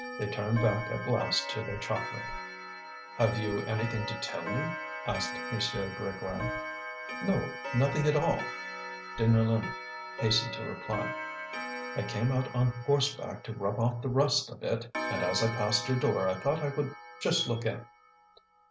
They turned back at last to their chocolate. "Have you anything to tell me?" asked M. Grégoire. "No! nothing at all," Deneulin hastened to reply. "I came out on horseback to rub off the rust a bit, and as I passed your door I thought I would just look in."